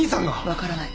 分からない。